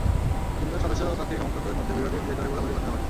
তিনজন সদস্য প্রার্থীর সমর্থকদের মধ্যে বিরোধের জের ধরে গোলাগুলির ঘটনা ঘটে।